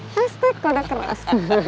hashtag udah keras